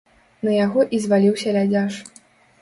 На яго і зваліўся лядзяш.